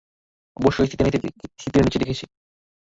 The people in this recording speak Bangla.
অবশ্যই সিটের নিচে দেখেছি!